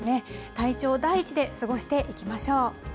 体調第一で過ごしていきましょう。